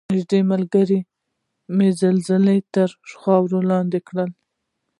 نږدې ملګرې مې زلزلې تر خاورو لاندې کړل.